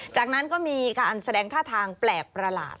จากนั้นก็มีการแสดงท่าทางแปลกประหลาด